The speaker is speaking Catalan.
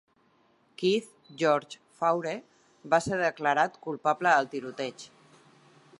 Keith George Faure va ser declarat culpable del tiroteig.